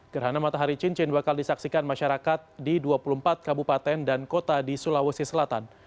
gerhana matahari cincin bakal disaksikan masyarakat di dua puluh empat kabupaten dan kota di sulawesi selatan